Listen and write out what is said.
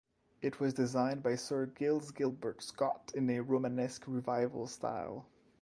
It was designed by Sir Giles Gilbert Scott in a Romanesque Revival style.